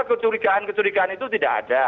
kecurigaan kecurigaan itu tidak ada